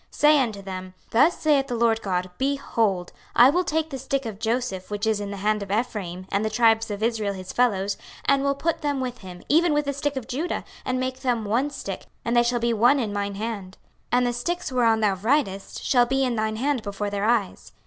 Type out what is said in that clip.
26:037:019 Say unto them, Thus saith the Lord GOD; Behold, I will take the stick of Joseph, which is in the hand of Ephraim, and the tribes of Israel his fellows, and will put them with him, even with the stick of Judah, and make them one stick, and they shall be one in mine hand. 26:037:020 And the sticks whereon thou writest shall be in thine hand before their eyes.